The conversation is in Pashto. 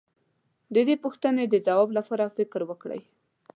د دې پوښتنې د ځواب لپاره فکر وکړئ.